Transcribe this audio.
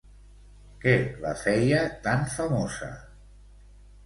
Què la feia tan famosa?